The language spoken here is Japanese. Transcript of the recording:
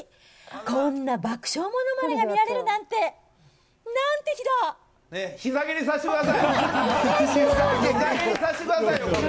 こんな爆笑ものまねが見られるなんて、なんて日だ！